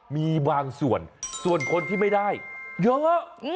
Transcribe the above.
มีบางส่วนส่วนคนที่ไม่ได้เยอะ